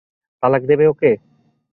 তালাক দেবে ওকে?